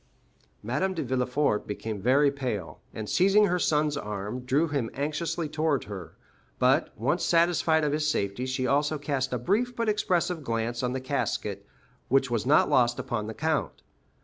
Madame de Villefort became very pale, and, seizing her son's arm, drew him anxiously toward her; but, once satisfied of his safety, she also cast a brief but expressive glance on the casket, which was not lost upon the count.